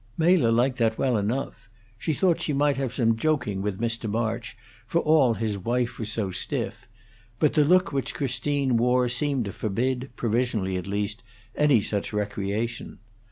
Mela liked that well enough; she thought she might have some joking with Mr. March, for all his wife was so stiff; but the look which Christine wore seemed to forbid, provisionally at least, any such recreation.